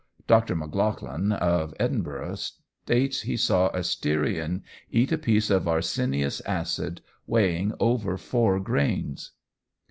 Dr. Maclagan, of Edinburgh, states he saw a Styrian eat a piece of arsenious acid weighing over four grains.